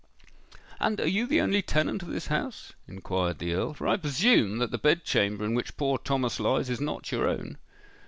"And are you the only tenant of this house?" inquired the Earl; "for I presume that the bed chamber in which poor Thomas lies is not your own."